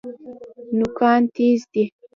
نوکان تیز دي.